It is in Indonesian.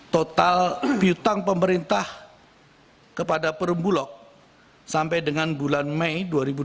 total utang pemerintah kepada perum bulog sampai dengan bulan mei dua ribu dua puluh satu